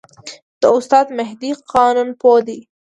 دا استاد مهدي قانونپوه دی.